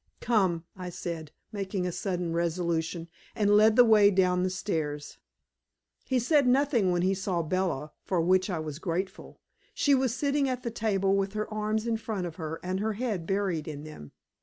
"Come," I said, making a sudden resolution, and led the way down the stairs. He said nothing when he saw Bella, for which I was grateful. She was sitting at the table, with her arms in front of her, and her head buried in them.